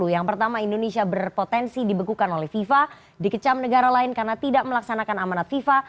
yang pertama indonesia berpotensi dibekukan oleh fifa dikecam negara lain karena tidak melaksanakan amanat fifa